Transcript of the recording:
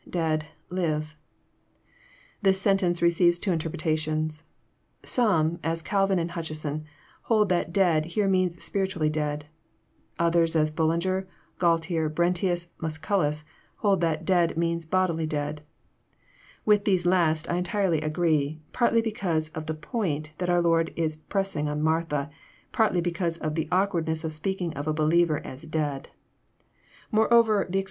dead.,Mve,'\ This sentence receives two interpretations. Some, as Calvin and Hutcheson, hold that " dead " here means spiritually dead. Others, as Bulllnger, Gual ter, Brentitus, Musculus, hold that " dead " means bodily dead.— With these last I entirely agree, partly because of the point that our Lord is pressing on Martha, partly because of the awkward ness of speaking of a believer as ^^ dead." Moreover, the ex i 264 EXF0SITOBT THaUGHTS.